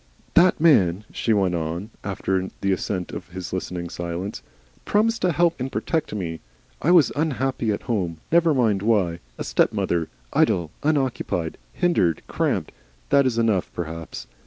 "That man," she went on, after the assent of his listening silence, "promised to help and protect me. I was unhappy at home never mind why. A stepmother Idle, unoccupied, hindered, cramped, that is enough, perhaps.